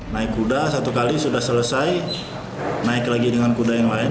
naik kuda satu kali sudah selesai naik lagi dengan kuda yang lain